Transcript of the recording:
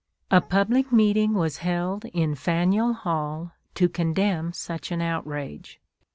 A public meeting was held in Faneuil Hall to condemn such an outrage.